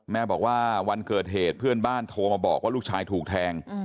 แม่บอกว่าวันเกิดเหตุเพื่อนบ้านโทรมาบอกว่าลูกชายถูกแทง